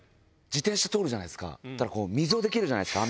自転車通るじゃないですか。